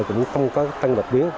cũng không có tăng bạch biến